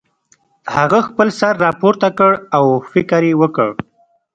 هغه خپل سر راپورته کړ او فکر یې وکړ